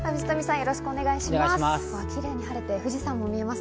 よろしくお願いします。